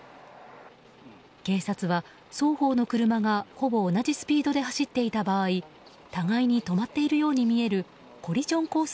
警察は双方の車がほぼ同じスピードで走っていた場合互いに止まっているように見えるコリジョンコース